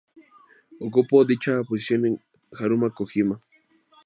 Ocupó dicha posición con Haruna Kojima.